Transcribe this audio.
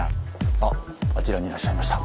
あっあちらにいらっしゃいました。